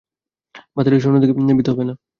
বাতিলের সৈন্য দেখে ভীত হবে না।